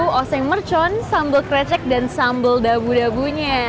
bawa oseng mercon sambal krecek dan sambal dabu dabunya